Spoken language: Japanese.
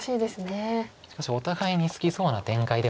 しかしお互いに好きそうな展開ではありますけど。